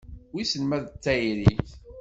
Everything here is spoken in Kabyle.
Wissen ma d tayri?